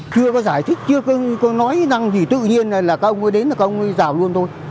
chưa có giải thích chưa có nói rằng thì tự nhiên này là các ông ấy đến là các ông ấy rào luôn thôi